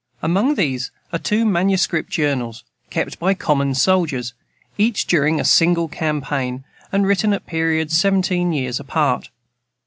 Among these are two manuscript Journals, kept by common soldiers, each during a single campaign, and written at periods seventeen years apart.